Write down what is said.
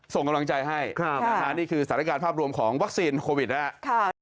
ส่งกำลังใจให้นะฮะนี่คือสรรพาการภาพรวมของวัคซีนโควิดนะฮะค่ะ